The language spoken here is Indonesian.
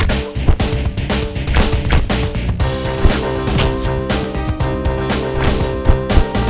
aku harus ngilang jebaknya lu juga oke